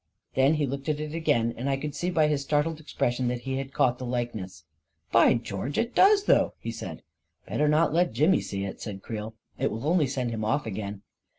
Then he looked at it again, and I could see by his startled expression that he had caught the likeness. " By George, it does, though I " he said. " Better not let Jimmy see it," said Creel. " It will only send him off again."